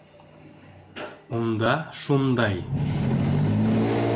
Унда шундай...